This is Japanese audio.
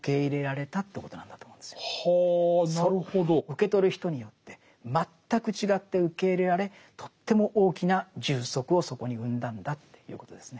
受け取る人によって全く違って受け入れられとっても大きな充足をそこに生んだんだということですね。